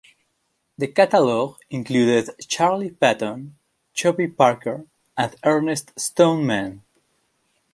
The catalogue included Charley Patton, Chubby Parker, and Ernest Stoneman.